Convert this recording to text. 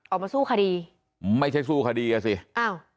ออกมาสู้คดีไม่ใช่สู้คดีอ่ะสิอ้าว